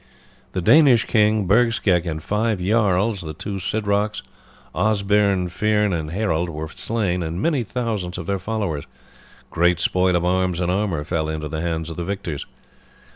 The Danish king Bergsecg and five jarls, the two Sidrocs, Osbearn, Frene, and Hareld, were slain, and many thousands of their followers. Great spoil of arms and armour fell into the hands of the victors.